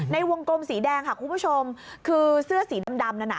ในวงกลมสีแดงค่ะคุณผู้ชมคือเสื้อสีดำดำนั้นน่ะ